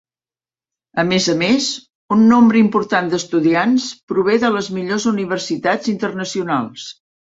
A més a més, un nombre important d'estudiants prové de les millors universitats internacionals.